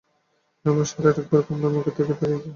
রমেশ আর-একবার কমলার মুখের দিকে চাহিয়া দেখিল।